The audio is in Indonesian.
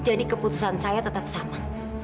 jadi keputusan saya tetap sama